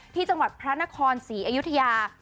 ที่จังหวัดพระนครศรีอยุธยา